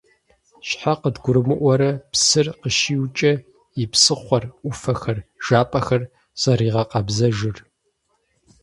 Щхьэ къыдгурымыӀуэрэ псыр къыщиукӀэ и псыхъуэр, Ӏуфэхэр, жапӀэхэр зэригъэкъэбзэжыр?!